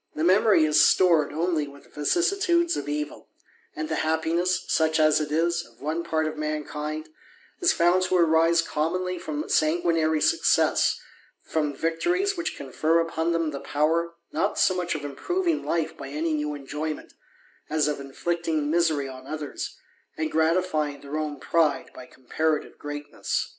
The memory is stored only with vicissitudes of evil ; and Ae happiness, such as it is, of one part of mankind, is found to arise commonly from sanguinary success, from wctories which confer upon them the power, not so much of improving life by any new enjoyment, as of inflict JDg misery on others, and gratifying their own pride by comparative greatness.